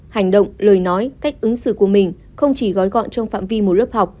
hành động lời nói cách ứng xử của mình không chỉ gói gọn trong phạm vi một lớp học